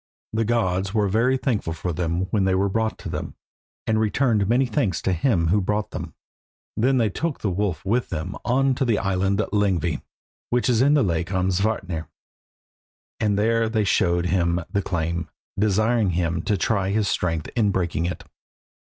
The gods were very thankful for them when they were brought to them, and returned many thanks to him who brought them. Then they took the wolf with them on to the island Lyngvi, which is in the lake Amsvartnir, and there they showed him the chain, desiring him to try his strength in breaking it.